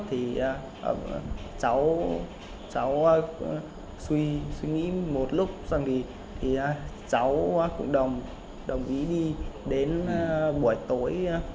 thì cháu suy nghĩ một lúc rằng thì cháu cũng đồng ý đi đến buổi tối